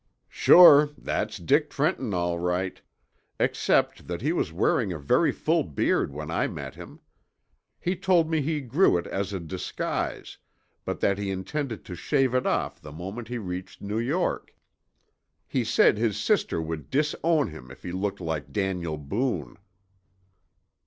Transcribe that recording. "Sure that's Dick Trenton, all right, except that he was wearing a very full beard when I met him. He told me he grew it as a disguise, but that he intended to shave it off the moment he reached New York. He said his sister would disown him if he looked like Daniel Boone."